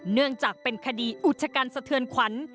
เนื่องจากเป็นคดีอุจจกรเศรือควัน